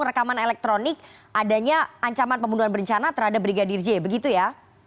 rekaman elektronik adanya ancaman pembunuhan berencana terhadap brigadir j begitu ya